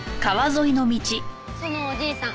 そのおじいさん